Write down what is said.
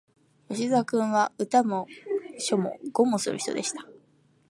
吉沢君は、歌も書も碁もする人でした